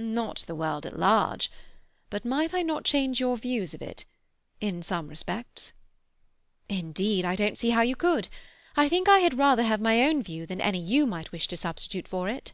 "Not the world at large. But might I not change your views of it—in some respects?" "Indeed I don't see how you could. I think I had rather have my own view than any you might wish to substitute for it."